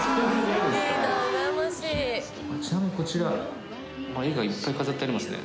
ちなみにこちら絵がいっぱい飾ってありますね。